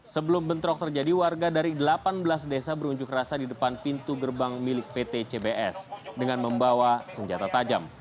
sebelum bentrok terjadi warga dari delapan belas desa berunjuk rasa di depan pintu gerbang milik pt cbs dengan membawa senjata tajam